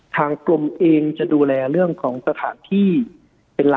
ทางกรมเองจะดูแลเรื่องของสถานที่เป็นหลัก